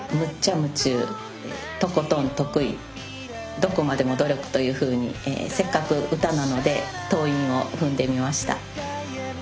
「どこまでも努力」というふうにせっかく歌なので頭韻を踏んでみました。